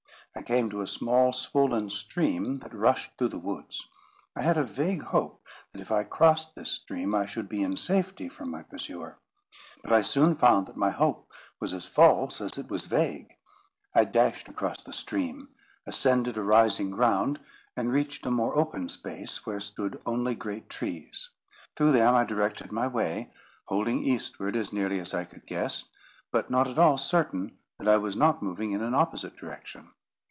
I came to a small swollen stream that rushed through the woods. I had a vague hope that if I crossed this stream, I should be in safety from my pursuer; but I soon found that my hope was as false as it was vague. I dashed across the stream, ascended a rising ground, and reached a more open space, where stood only great trees. Through them I directed my way, holding eastward as nearly as I could guess, but not at all certain that I was not moving in an opposite direction.